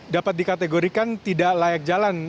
dapat dikategorikan tidak layak jalan